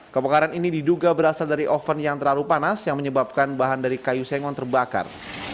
kebakaran ini diduga berasal dari oven yang terlalu panas yang menyebabkan bahan dari kayu sengon terbakar